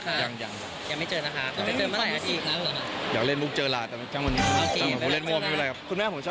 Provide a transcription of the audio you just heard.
เพื่อมีคาดหวังว่าจะต้องมีแฟนได้แล้วนะ